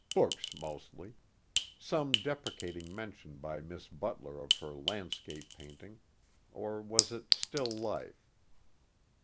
Books mostly; some deprecating mention by Miss Butler of her landscape painting, or was it still life?